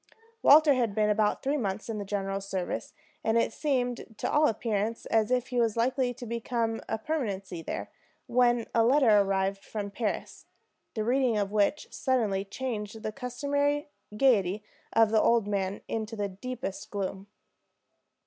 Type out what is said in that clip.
Walter had been about three months in the general's service, and it seemed to all appearance as if he was likely to become a permanency there, when a letter arrived from Paris, the reading of which suddenly changed the customary gayety of the old man into the deepest gloom.